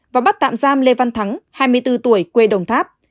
và bắt tạm giam lê văn thắng hai mươi bốn tuổi quê đồng tháp